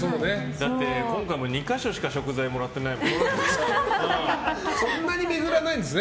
だって今回も２か所しか食材もらってないもんね。